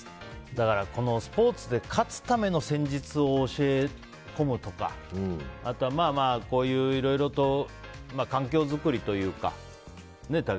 だから、スポーツで勝つための戦術を教え込むとかあとはいろいろと環境作りというか。